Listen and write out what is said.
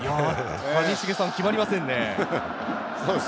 谷繁さん、決まりませんね。